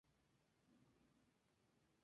Se desconoce cuándo comenzará la construcción.